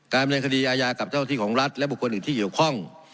การบันการคดีอายากับเจ้าที่ของรัฐและบุคคลอีกที่เกี่ยวข้อง